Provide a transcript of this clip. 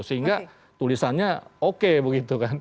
sehingga tulisannya oke begitu kan